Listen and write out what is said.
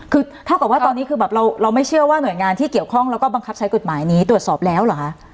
คือเท่ากับว่าตอนนี้คือแบบเราไม่เชื่อว่าหน่วยงานที่เกี่ยวข้องแล้วก็บังคับใช้กฎหมายนี้ตรวจสอบแล้วเหรอคะ